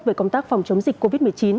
về công tác phòng chống dịch covid một mươi chín